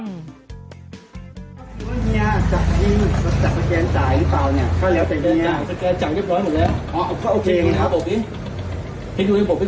เนี่ยพวกพี่กำลังมองว่าผมเนี่ยมาเก็บค่าไฟ